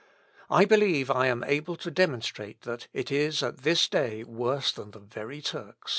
I believe I am able to demonstrate that it is at this day worse than the very Turks."